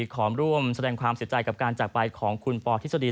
ขอร่วมแสดงความเสียใจกับการจากไปของคุณปอทฤษฎี